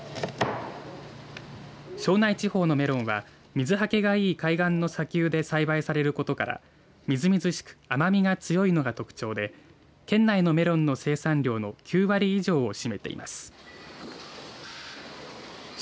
庄内地方のメロンは水はけがいい海岸の砂丘で栽培されることからみずみずしく、甘みが強いのが特長で県内のメロンの生産量の９割以上を占めています。